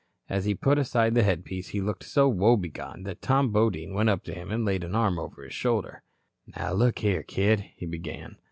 As he put aside the headpiece, he looked so woebegone that Tom Bodine went up to him and laid an arm over his shoulder. "Now, look here, kid," he began.